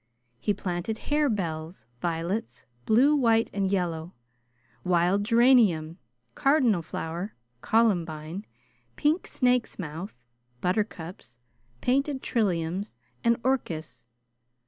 He planted harebells; violets, blue, white, and yellow; wild geranium, cardinal flower, columbine, pink snake's mouth, buttercups, painted trilliums, and orchis.